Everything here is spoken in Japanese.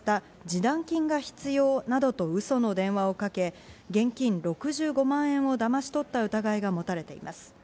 示談金が必要などと嘘の電話をかけ、現金６５万円をだまし取った疑いが持たれています。